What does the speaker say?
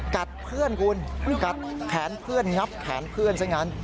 กัดเพื่อนคุณกัดแขนเพื่อนงับแขนเพื่อนซะงั้น